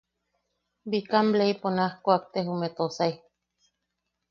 Bikam leipo naj kuakte jume Tosai.